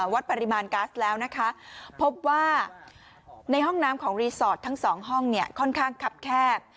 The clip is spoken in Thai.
วัดปริมาณก๊าซแล้วนะคะพบว่าในห้องน้ำของรีสอร์ททั้งสองห้องเนี่ยค่อนข้างคับแคบ